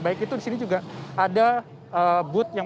baik itu disini juga ada booth yang menemukan solusi solusi yang ada di sini